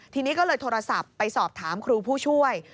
ทีนี้ก็เลยโทรศัพท์ไปสอบถามครูผู้ช่วย